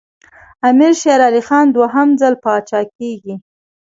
امیر شېر علي خان دوهم ځل پاچا کېږي.